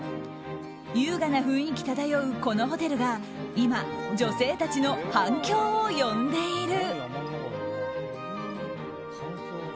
優雅な雰囲気漂うこのホテルが今、女性たちの反響を呼んでいる。